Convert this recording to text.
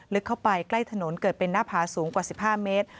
ลึกเข้าไปใกล้ถนนเกิดเป็นหน้าผาสูงกว่า๑๕เมตร